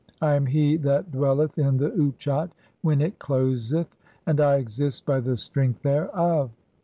I am he that dwell "eth in the Utchat when it closeth, and I exist by the strength "thereof.